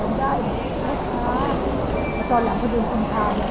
ตอนหลังก็เดินตรงทางแล้วก็ยอมขึ้นคล้องได้